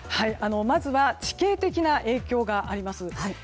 まずは地形的な影響があります。